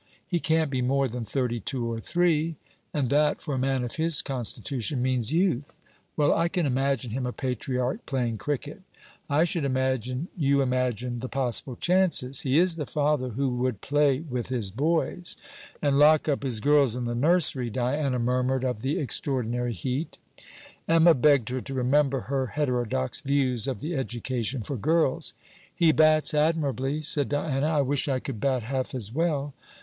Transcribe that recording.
'He can't be more than thirty two or three; and that, for a man of his constitution, means youth.' 'Well, I can imagine him a patriarch playing cricket.' 'I should imagine you imagine the possible chances. He is the father who would play with his boys.' 'And lock up his girls in the nursery.' Diana murmured of the extraordinary heat. Emma begged her to remember her heterodox views of the education for girls. 'He bats admirably,' said Diana. 'I wish I could bat half as well.'